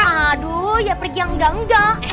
aduh ya pergi yang engga engga